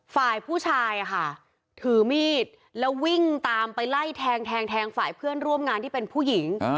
ฝ่ายผู้ชายค่ะถือมีดแล้ววิ่งตามไปไล่แทงแทงฝ่ายเพื่อนร่วมงานที่เป็นผู้หญิง